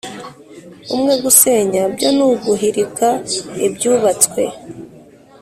umwe gusenya byo ni uguhirika ibyubatswe